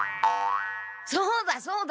そうだそうだ！